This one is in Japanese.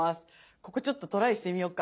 ここちょっとトライしてみよっか。